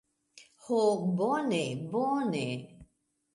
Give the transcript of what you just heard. Ho, bone bone.